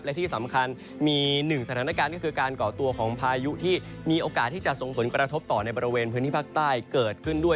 และที่สำคัญมีหนึ่งสถานการณ์ก็คือการก่อตัวของพายุที่มีโอกาสที่จะส่งผลกระทบต่อในบริเวณพื้นที่ภาคใต้เกิดขึ้นด้วย